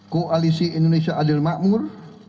koalisi indonesia adil makmur